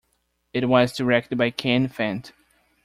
It was directed by Kenne Fant.